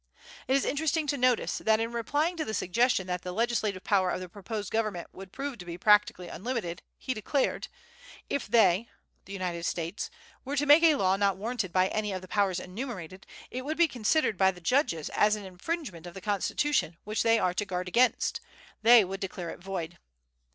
It is interesting to notice that, in replying to the suggestion that the legislative power of the proposed government would prove to be practically unlimited, he declared: "If they [the United States] were to make a law not warranted by any of the powers enumerated, it would be considered by the judges as an infringement of the Constitution, which they are to guard against.... They would declare it void."